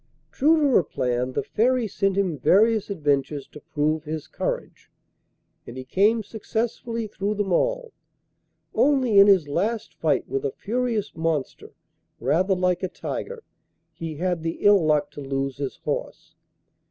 True to her plan the Fairy sent him various adventures to prove his courage, and he came successfully through them all, only in his last fight with a furious monster rather like a tiger he had the ill luck to lose his horse.